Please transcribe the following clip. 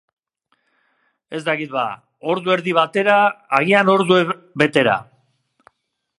Ez dakit ba... ordu erdi batera, agian ordubetera.